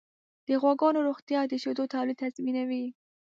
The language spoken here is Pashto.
د غواګانو روغتیا د شیدو تولید تضمینوي.